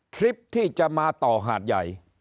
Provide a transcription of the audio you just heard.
คลิปที่จะมาต่อหาดใหญ่